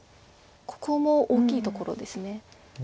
ここも大きいところです。